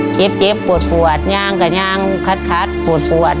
เอ๊ะเอ๊ะปวดย้างก็ย้างคัทสม่อปวด